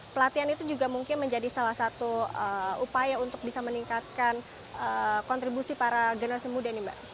pelatihan itu juga mungkin menjadi salah satu upaya untuk bisa meningkatkan kontribusi para generasi muda nih mbak